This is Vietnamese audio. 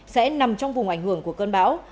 sẽ nằm trong vùng ảnh hưởng của cơn bão